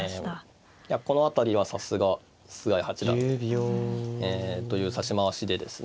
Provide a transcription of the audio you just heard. いやこの辺りはさすが菅井八段という指し回しでですね